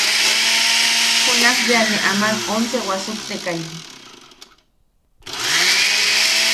Junakbea ne aman once wasuktekai.